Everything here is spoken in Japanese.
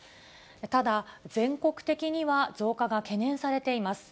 ただ、全国的には増加が懸念されています。